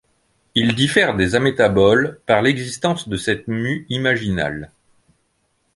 Ils diffèrent des amétaboles par l'existence de cette mue imaginale.